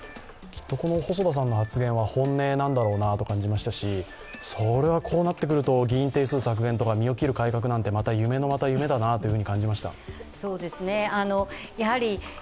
きっと細田さんの発言は本音なんだろうなと感じましたし、それはこうなってくると議員定数削減とか身を切る改革なんて、夢のまた夢だなと感じました。